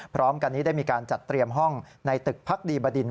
พร้อมกันนี้ได้มีการจัดเตรียมห้องในตึกพักดีบดิน